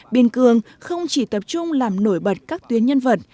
biên cường không chỉ tập trung làm nổi bó